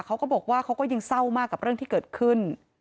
เขาก็บอกว่าเขาก็ยังเศร้ามากกับเรื่องที่เกิดขึ้น